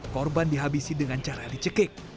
korban dihabisi dengan cara dicekik